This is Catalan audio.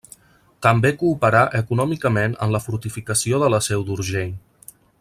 També cooperà econòmicament en la fortificació de la Seu d’Urgell.